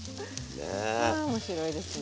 あ面白いですね。